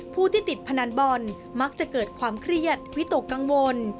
ผู้ที่ติดพนันบอลมักจะเกิดความเครียดวิตกกังวล